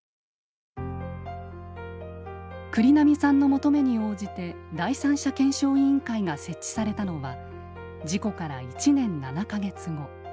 栗並さんの求めに応じて第三者検証委員会が設置されたのは事故から１年７か月後。